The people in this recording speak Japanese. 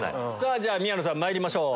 じゃあ宮野さんまいりましょう。